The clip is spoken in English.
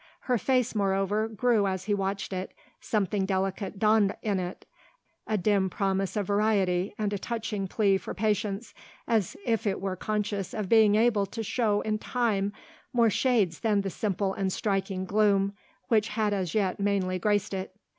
Her face, moreover, grew as he watched it; something delicate dawned in it, a dim promise of variety and a touching plea for patience, as if it were conscious of being able to show in time more shades than the simple and striking gloom which had as yet mainly graced it.